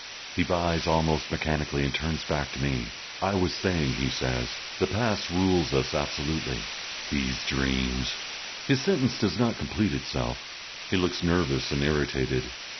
He buys almost mechanically, and turns back to me. "I was saying," he says, "the past rules us absolutely. These dreams " His sentence does not complete itself. He looks nervous and irritated.